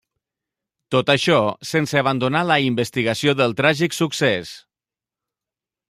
Tot això, sense abandonar la investigació del tràgic succés.